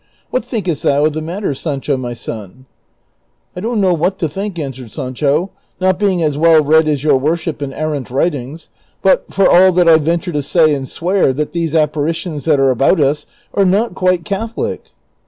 What thinkest thou of the matter, Sancho my son ?"" I don't know what to think," answered Sancho, " not being as well read as your worship in errant writings ; but for all that I venture to say and swear that these apparitions that are about us are not quite Catholic."